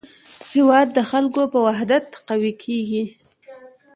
هېواد د خلکو په وحدت قوي کېږي.